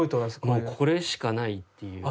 もうこれしかないっていう。